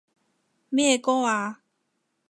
咩歌啊？